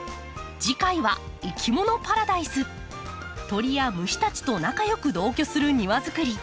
鳥や虫たちと仲よく同居する庭づくり。